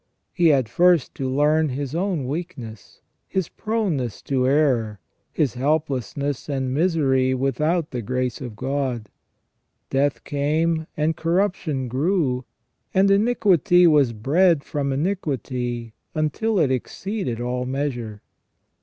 He had first to learn his own weakness, his proneness to error, his helplessness and misery without the grace of God. Death came, and corruption grew; and iniquity was bred from iniquity until it exceeded all measure.